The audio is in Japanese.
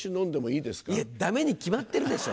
いやダメに決まってるでしょ！